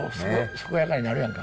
健やかになるやんか。